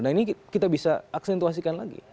nah ini kita bisa aksentuasikan lagi